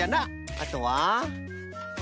あとは？